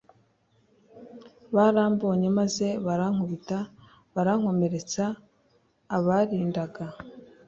barambonye maze barankubita barankomeretsa abarindaga